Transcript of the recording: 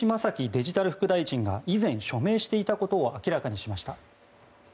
デジタル副大臣が以前、署名していたことを明らかにしました。